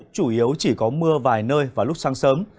chủ yếu chỉ có mưa vài nơi vào lúc sáng sớm